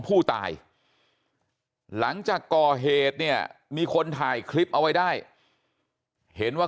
ผู้ตายหลังจากก่อเหตุเนี่ยมีคนถ่ายคลิปเอาไว้ได้เห็นว่า